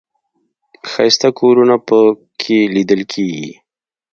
ښایسته کورونه په کې لیدل کېږي.